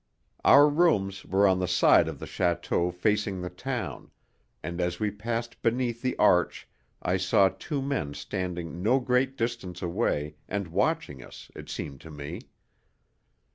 Our rooms were on the side of the Château facing the town, and as we passed beneath the arch I saw two men standing no great distance away, and watching us, it seemed to me.